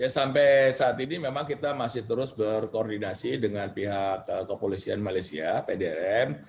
sampai saat ini memang kita masih terus berkoordinasi dengan pihak kepolisian malaysia pdrm